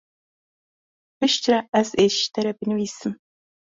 Piştre ez ê ji te re binivîsim.